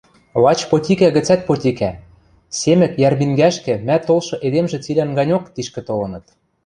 Лач потикӓ гӹцӓт потикӓ: Семӹк йӓрмингӓшкӹ ма толшы эдемжӹ цилӓн ганьок тишкӹ толыныт.